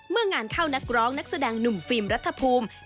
งานเข้านักร้องนักแสดงหนุ่มฟิล์มรัฐภูมิ